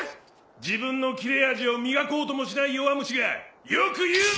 自分の切れ味を磨こうともしない弱虫がよく言うぜ！